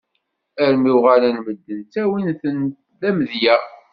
Armi uɣalen medden ttawin-ten d amedya!